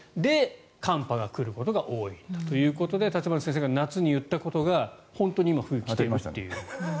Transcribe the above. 寒波が来ることが多いということで立花先生が夏に言ったことが本当に今、冬に来ていると。